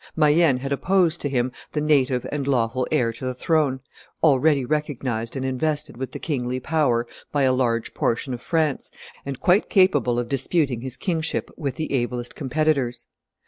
Mayenne had opposed to him the native and lawful heir to the throne, already recognized and invested with the kingly power by a large portion of France, and quite capable of disputing his kingship with the ablest competitors.